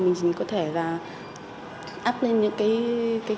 mình chỉ có thể là áp lên những cái